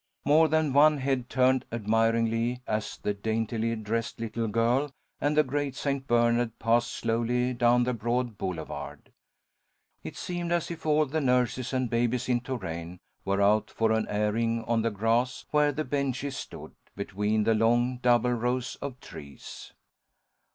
More than one head turned admiringly, as the daintily dressed little girl and the great St. Bernard passed slowly down the broad boulevard. It seemed as if all the nurses and babies in Touraine were out for an airing on the grass where the benches stood, between the long double rows of trees.